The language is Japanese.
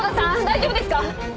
大丈夫ですか？